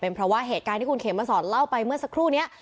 เพราะว่าเหตุการณ์ที่คุณเขมมาสอนเล่าไปเมื่อสักครู่นี้